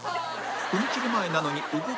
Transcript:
踏み切り前なのに動けず